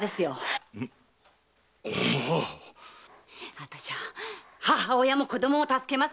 あたしゃ母親も子供も助けますからね！